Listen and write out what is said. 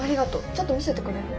ちょっと見せてくれる？